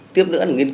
tiếp nữa là nghiên cứu